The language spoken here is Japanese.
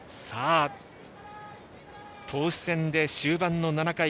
投手戦で終盤の７回。